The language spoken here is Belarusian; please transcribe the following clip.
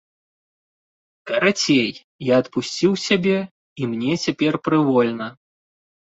Карацей, я адпусціў сябе і мне цяпер прывольна.